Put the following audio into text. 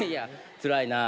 つらいなあ。